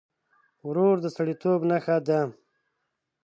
ورور د سړيتوب نښه ده.